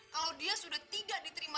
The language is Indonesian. kalau dia sudah tidak diterima